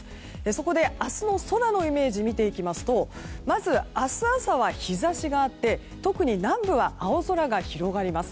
そこで明日の空のイメージを見ていきますとまず明日朝は日差しがあって特に南部は青空が広がります。